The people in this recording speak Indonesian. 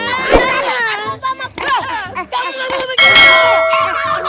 kamu gak bisa begini